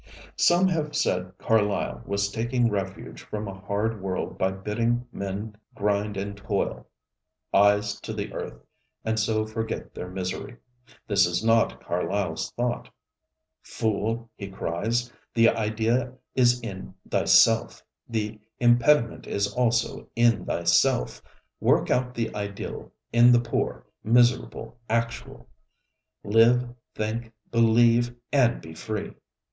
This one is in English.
ŌĆØ Some have said Carlyle was taking refuge from a hard world by bidding men grind and toil, eyes to the earth, and so forget their misery. This is not CarlyleŌĆÖs thought. ŌĆ£Fool! ŌĆØ he cries, ŌĆ£the Ideal is in thyself; the Impediment is also in thyself. Work out the Ideal in the poor, miserable Actual; live, think, believe, and be free!